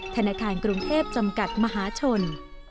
ธนาคารกรุงเทพจำกัดมหาชน